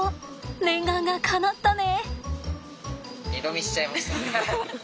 念願がかなったね！